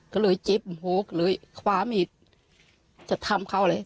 ก็เลยเจ็บโฮกเลยคว้ามีดจะทำเขาเลย